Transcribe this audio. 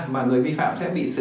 mà người vi phạm sẽ bị xử lý